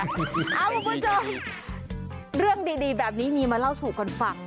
คุณผู้ชมเรื่องดีแบบนี้มีมาเล่าสู่กันฟัง